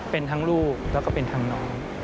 เป็นทั้งลูกแล้วก็เป็นทั้งน้อง